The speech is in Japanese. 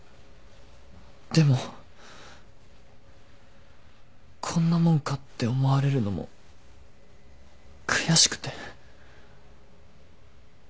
でも「こんなもんか」って思われるのも悔しくて。